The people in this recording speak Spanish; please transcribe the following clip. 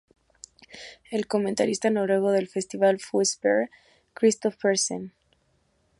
El comentarista noruego del festival fue Sverre Christophersen.